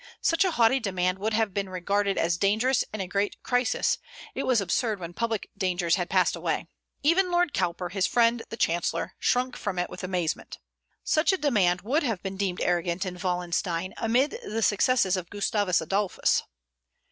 Such a haughty demand would have been regarded as dangerous in a great crisis; it was absurd when public dangers had passed away. Even Lord Cowper. his friend the chancellor, shrunk from it with amazement. Such a demand would have been deemed arrogant in Wallenstein, amid the successes of Gustavus Adolphus.